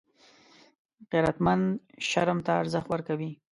غیرتمند شرم ته ارزښت ورکوي